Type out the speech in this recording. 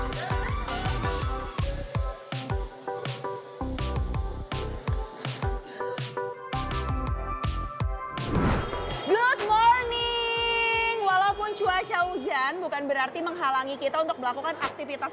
good morning walaupun cuaca hujan bukan berarti menghalangi kita untuk melakukan aktivitas